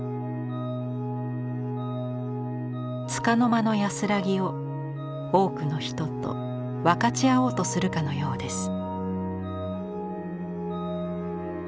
つかの間の安らぎを多くの人と分かち合おうとするかのようです。